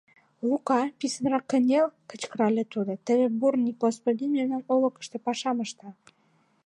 — Лука, писынрак кынел, — кычкырале тудо, — теве Бурни господин мемнан олыкышто пашам ышта.